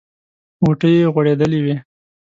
غوټۍ یې غوړېدلې وې.